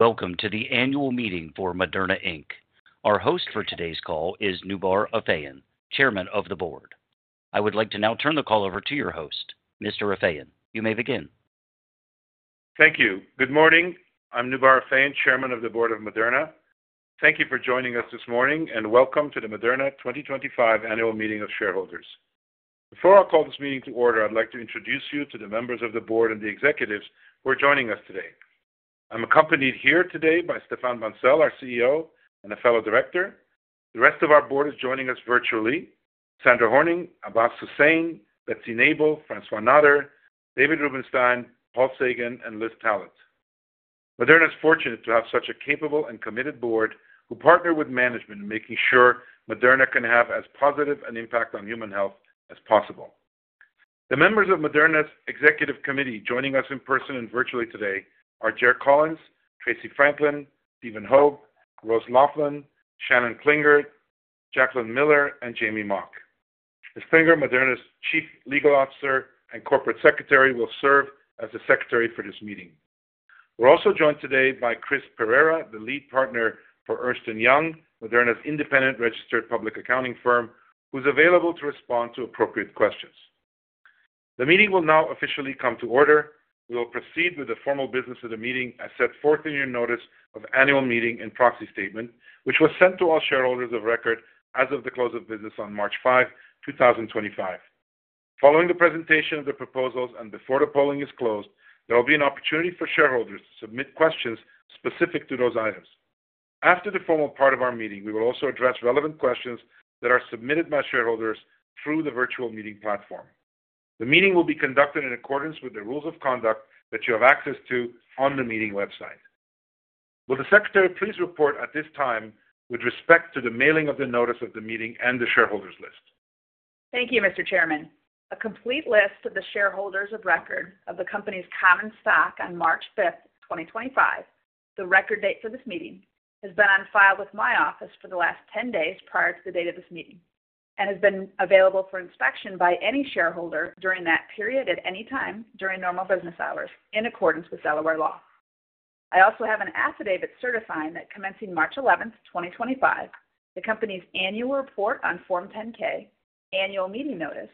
Welcome to the annual meeting for Moderna. Our host for today's call is Noubar Afeyan, Chairman of the Board. I would like to now turn the call over to your host, Mr. Afeyan. You may begin. Thank you. Good morning. I'm Noubar Afeyan, Chairman of the Board of Moderna. Thank you for joining us this morning, and welcome to the Moderna 2025 Annual Meeting of Shareholders. Before I call this meeting to order, I'd like to introduce you to the members of the Board and the Executives who are joining us today. I'm accompanied here today by Stéphane Bancel, our CEO, and a fellow director. The rest of our Board is joining us virtually: Sandra Horning, Abbas Hussain, Betsy Nabel, François Nader, David Rubenstein, Paul Sagan, and Liz Tallett. Moderna is fortunate to have such a capable and committed Board who partner with management in making sure Moderna can have as positive an impact on human health as possible. The members of Moderna's Executive Committee joining us in person and virtually today are Jerh Collins, Tracey Franklin, Stephen Hoge, Rose Loughlin, Shannon Klinger, Jacqueline Miller, and James Mock. Ms. Klinger, Moderna's Chief Legal Officer and Corporate Secretary, will serve as the secretary for this meeting. We're also joined today by Chris Pereira, the lead partner for Ernst & Young, Moderna's independent registered public accounting firm, who's available to respond to appropriate questions. The meeting will now officially come to order. We will proceed with the formal business of the meeting as set forth in your notice of annual meeting and proxy statement, which was sent to all shareholders of record as of the close of business on March 5, 2025. Following the presentation of the proposals and before the polling is closed, there will be an opportunity for shareholders to submit questions specific to those items. After the formal part of our meeting, we will also address relevant questions that are submitted by shareholders through the virtual meeting platform. The meeting will be conducted in accordance with the rules of conduct that you have access to on the meeting website. Will the Secretary please report at this time with respect to the mailing of the notice of the meeting and the shareholders' list? Thank you, Mr. Chairman. A complete list of the shareholders of record of the company's common stock on March 5, 2025, the record date for this meeting, has been on file with my office for the last 10 days prior to the date of this meeting and has been available for inspection by any shareholder during that period at any time during normal business hours in accordance with Delaware law. I also have an affidavit certifying that commencing March 11, 2025, the company's annual report on Form 10-K, annual meeting notice,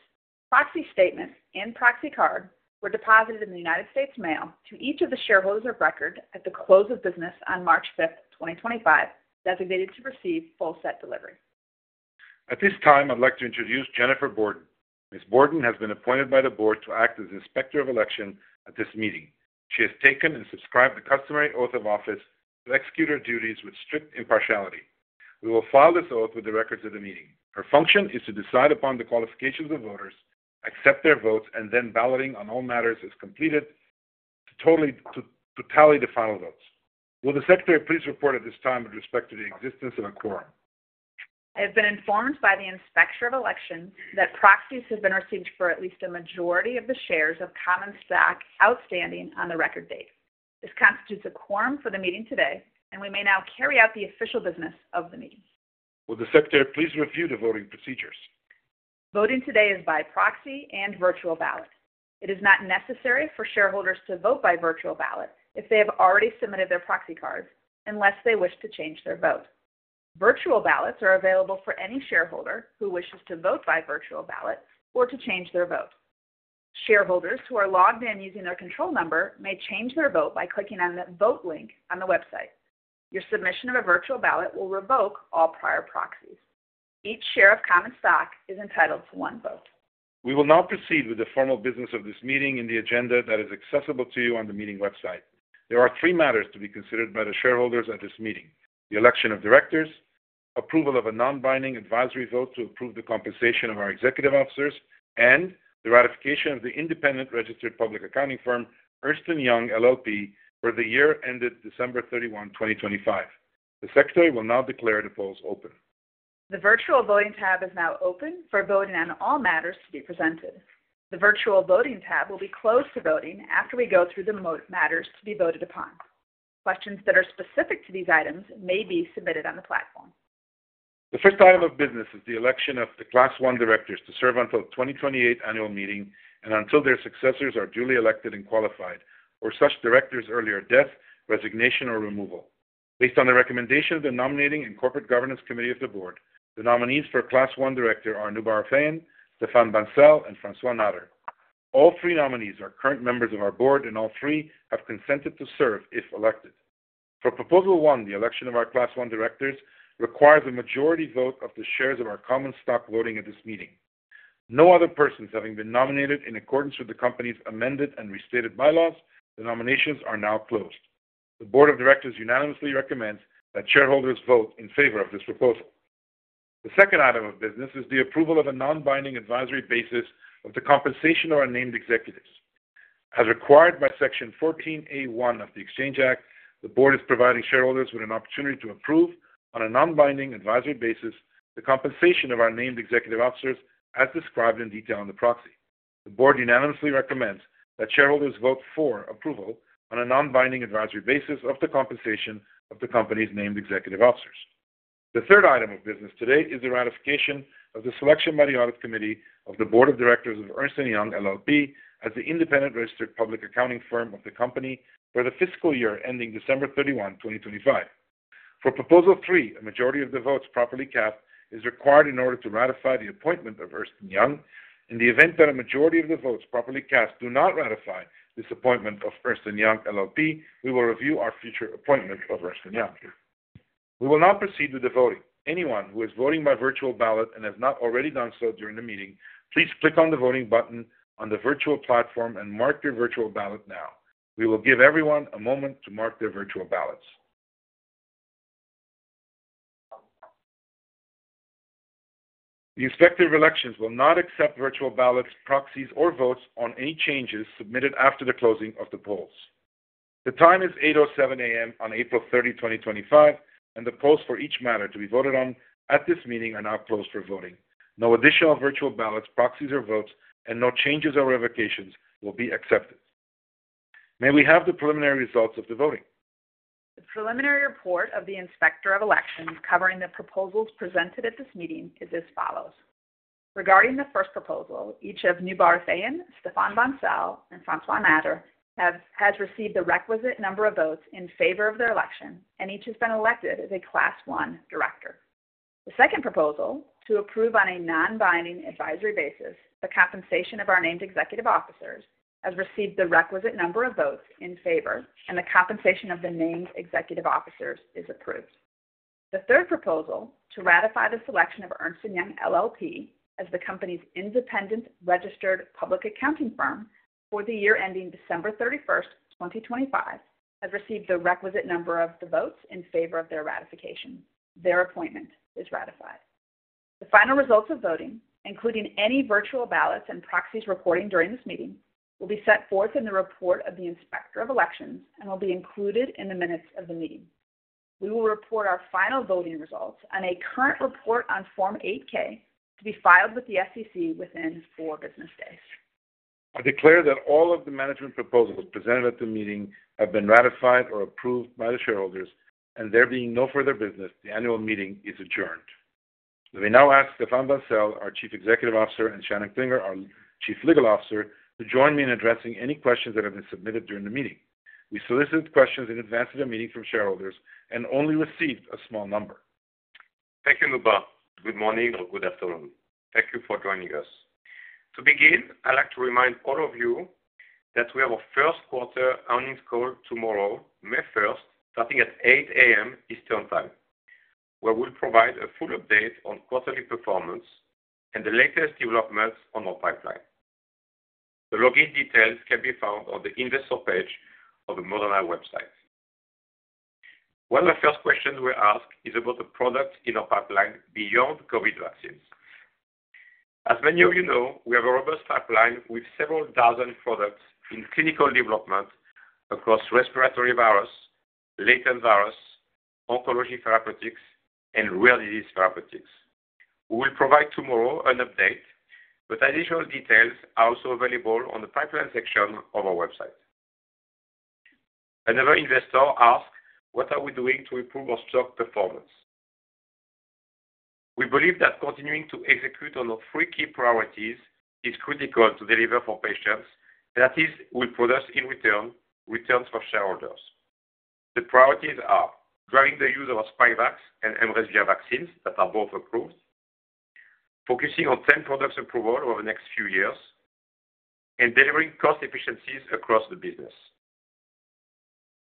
proxy statement, and proxy card were deposited in the United States mail to each of the shareholders of record at the close of business on March 5, 2025, designated to receive full set delivery. At this time, I'd like to introduce Jennifer Borden. Ms. Borden has been appointed by the Board to act as inspector of election at this meeting. She has taken and subscribed the customary oath of office to execute her duties with strict impartiality. We will file this oath with the records of the meeting. Her function is to decide upon the qualifications of voters, accept their votes, and then balloting on all matters is completed to total the final votes. Will the secretary please report at this time with respect to the existence of a quorum? I have been informed by the inspector of elections that proxies have been received for at least a majority of the shares of common stock outstanding on the record date. This constitutes a quorum for the meeting today, and we may now carry out the official business of the meeting. Will the secretary please review the voting procedures? Voting today is by proxy and virtual ballot. It is not necessary for shareholders to vote by virtual ballot if they have already submitted their proxy cards, unless they wish to change their vote. Virtual ballots are available for any shareholder who wishes to vote by virtual ballot or to change their vote. Shareholders who are logged in using their control number may change their vote by clicking on the vote link on the website. Your submission of a virtual ballot will revoke all prior proxies. Each share of common stock is entitled to one vote. We will now proceed with the formal business of this meeting in the agenda that is accessible to you on the meeting website. There are three matters to be considered by the shareholders at this meeting: the election of directors, approval of a non-binding advisory vote to approve the compensation of our Executive officers, and the ratification of the independent registered public accounting firm, Ernst & Young LLP, for the year ended December 31, 2025. The Secretary will now declare the polls open. The virtual voting tab is now open for voting on all matters to be presented. The virtual voting tab will be closed to voting after we go through the matters to be voted upon. Questions that are specific to these items may be submitted on the platform. The first item of business is the election of the Class I directors to serve until the 2028 Annual Meeting and until their successors are duly elected and qualified, or such directors' earlier death, resignation, or removal. Based on the recommendation of the Nominating and Corporate Governance Committee of the Board, the nominees for a Class I director are Noubar Afeyan, Stéphane Bancel, and François Nader. All three nominees are current members of our Board, and all three have consented to serve if elected. For Proposal 1, the election of our Class I directors requires a majority vote of the shares of our common stock voting at this meeting. No other persons having been nominated in accordance with the company's amended and restated bylaws, the nominations are now closed. The Board of Directors unanimously recommends that shareholders vote in favor of this proposal. The second item of business is the approval of a non-binding advisory basis of the compensation of our named Executives. As required by Section 14A (1) of the Exchange Act, the Board is providing shareholders with an opportunity to approve on a non-binding advisory basis the compensation of our named Executive officers as described in detail on the proxy. The Board unanimously recommends that shareholders vote for approval on a non-binding advisory basis of the compensation of the company's named Executive officers. The third item of business today is the ratification of the selection by the Audit Committee of the Board of Directors of Ernst & Young LLP as the independent registered public accounting firm of the company for the fiscal year ending December 31, 2025. For Proposal 3, a majority of the votes properly cast is required in order to ratify the appointment of Ernst & Young. In the event that a majority of the votes properly cast do not ratify this appointment of Ernst & Young LLP, we will review our future appointment of Ernst & Young. We will now proceed with the voting. Anyone who is voting by virtual ballot and has not already done so during the meeting, please click on the voting button on the virtual platform and mark your virtual ballot now. We will give everyone a moment to mark their virtual ballots. The inspector of elections will not accept virtual ballots, proxies, or votes on any changes submitted after the closing of the polls. The time is 8:07 A.M. on April 30, 2025, and the polls for each matter to be voted on at this meeting are now closed for voting. No additional virtual ballots, proxies, or votes, and no changes or revocations will be accepted. May we have the preliminary results of the voting? The preliminary report of the inspector of elections covering the proposals presented at this meeting is as follows. Regarding the first proposal, each of Noubar Afeyan, Stéphane Bancel, and François Nader has received the requisite number of votes in favor of their election, and each has been elected as a Class I director. The second proposal, to approve on a non-binding advisory basis the compensation of our named Executive officers, has received the requisite number of votes in favor, and the compensation of the named Executive officers is approved. The third proposal, to ratify the selection of Ernst & Young LLP as the company's independent registered public accounting firm for the year ending December 31, 2025, has received the requisite number of the votes in favor of their ratification. Their appointment is ratified. The final results of voting, including any virtual ballots and proxies reporting during this meeting, will be set forth in the report of the inspector of elections and will be included in the minutes of the meeting. We will report our final voting results on a current report on Form 8-K to be filed with the SEC within four business days. I declare that all of the management proposals presented at the meeting have been ratified or approved by the shareholders, and there being no further business, the Annual Meeting is adjourned. We now ask Stéphane Bancel, our Chief Executive Officer, and Shannon Klinger, our Chief Legal Officer, to join me in addressing any questions that have been submitted during the meeting. We solicited questions in advance of the meeting from shareholders and only received a small number. Thank you, Noubar. Good morning or good afternoon. Thank you for joining us. To begin, I'd like to remind all of you that we have a first quarter earnings call tomorrow, May 1, starting at 8:00 A.M. Eastern Time, where we'll provide a full update on quarterly performance and the latest developments on our pipeline. The login details can be found on the Investor page of the Moderna website. One of the first questions we ask is about the products in our pipeline beyond COVID vaccines. As many of you know, we have a robust pipeline with several dozen products in clinical development across respiratory virus, latent virus, oncology therapeutics, and rare disease therapeutics. We will provide tomorrow an update, but additional details are also available on the pipeline section of our website. Another investor asked, "What are we doing to improve our stock performance?" We believe that continuing to execute on our three key priorities is critical to deliver for patients, and that is, we'll produce in return returns for shareholders. The priorities are driving the use of Spikevax and mRESVIA vaccines that are both approved, focusing on 10 products approval over the next few years, and delivering cost efficiencies across the business.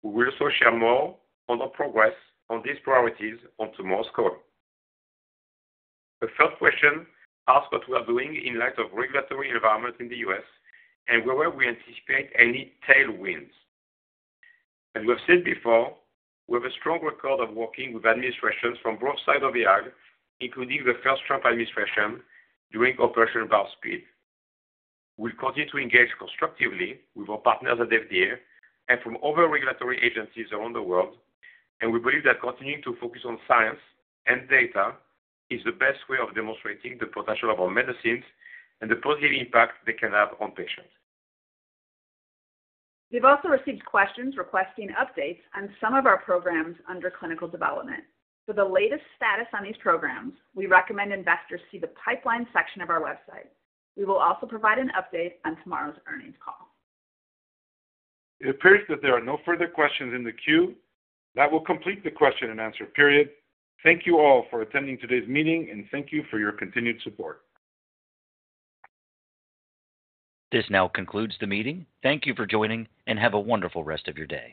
We will also share more on our progress on these priorities on tomorrow's call. The third question asks what we are doing in light of the regulatory environment in the U.S. and whether we anticipate any tailwinds. As we have said before, we have a strong record of working with administrations from both sides of the aisle, including the first Trump administration during Operation Warp Speed. We'll continue to engage constructively with our partners at FDA and from other regulatory agencies around the world, and we believe that continuing to focus on science and data is the best way of demonstrating the potential of our medicines and the positive impact they can have on patients. We've also received questions requesting updates on some of our programs under clinical development. For the latest status on these programs, we recommend investors see the pipeline section of our website. We will also provide an update on tomorrow's earnings call. It appears that there are no further questions in the queue. That will complete the question and answer period. Thank you all for attending today's meeting, and thank you for your continued support. This now concludes the meeting. Thank you for joining, and have a wonderful rest of your day.